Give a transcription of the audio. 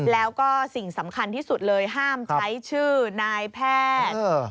แล้วก็สิ่งสำคัญที่สุดเลยห้ามใช้ชื่อนายแพทย์